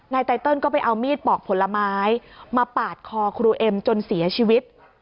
ไตเติลก็ไปเอามีดปอกผลไม้มาปาดคอครูเอ็มจนเสียชีวิต